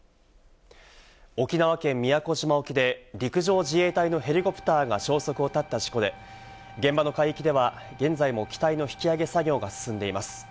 沖縄県宮古島沖で陸上自衛隊のヘリコプターが消息を絶った事故で、現場の海域では現在も機体の引き揚げ作業が進んでいます。